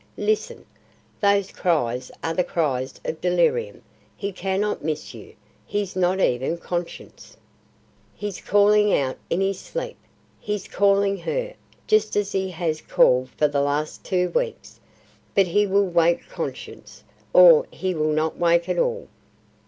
Listen! those cries are the cries of delirium; he cannot miss you; he's not even conscious." "He's calling out in his sleep. He's calling her, just as he has called for the last two weeks. But he will wake conscious or he will not wake at all."